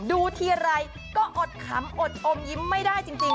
ดูทีไรก็อดขำอดอมยิ้มไม่ได้จริง